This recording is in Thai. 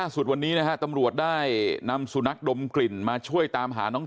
สุดวันนี้นะฮะตำรวจได้นำสุนัขดมกลิ่นมาช่วยตามหาน้อง